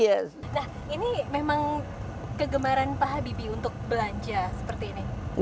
nah ini memang kegemaran pak habibie untuk belanja seperti ini